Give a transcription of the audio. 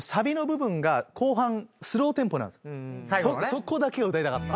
そこだけを歌いたかった。